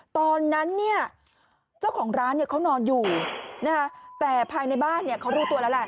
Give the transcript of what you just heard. ตอนนั้นเจ้าของร้านเขานอนอยู่แต่ภายในบ้านเขารู้ตัวแล้ว